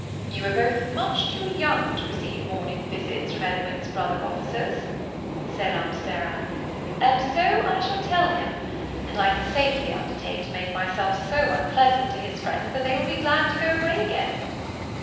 "You are both much too young to receive morning visits from Edwin's brother officers," said Aunt Sarah, "and so I shall tell him; and I can safely undertake to make myself so unpleasant to his friends that they will be glad to go away again."